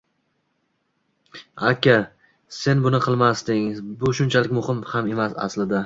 aki, sen buni bilmasding. Bu unchalik muhim ham emas aslida.